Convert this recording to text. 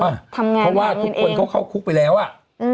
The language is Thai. ทำงานแหล่งกันเองเพราะว่าทุกคนเขาเข้าคุกไปแล้วอ่ะอืม